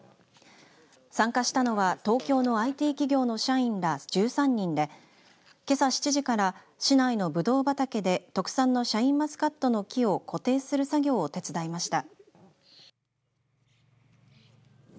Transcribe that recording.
参加したのは東京のＩＴ企業の社員ら１３人でけさ７時から市内のぶどう畑で特産のシャインマスカットの木を固定する作業を手伝いました。